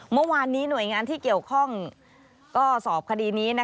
เมื่อวานนี้หน่วยงานที่เกี่ยวข้องก็สอบคดีนี้